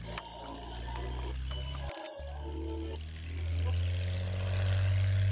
Arriba, tres huecos iluminan, por último, una bóveda de cul-de-cuatro bóveda de todo.